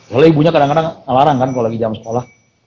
soalnya ibunya kadang kadang ngelarang kan kalau lagi jam sekolah